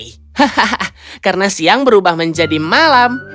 hahaha karena siang berubah menjadi malam